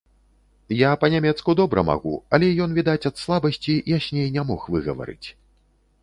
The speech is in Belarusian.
Я па-нямецку добра магу, але ён, відаць ад слабасці, ясней не мог выгаварыць.